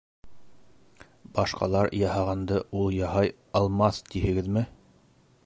Башҡалар яһағанды ул яһай алмаҫ, тиһегеҙме?